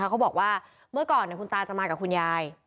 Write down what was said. เขาบอกว่าเมื่อก่อนคุณตาจะมากับคุณยาย